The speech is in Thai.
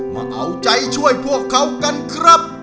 มาเอาใจช่วยพวกเขากันครับ